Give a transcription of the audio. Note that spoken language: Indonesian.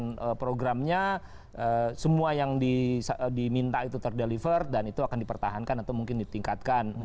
kemudian programnya semua yang diminta itu terdeliver dan itu akan dipertahankan atau mungkin ditingkatkan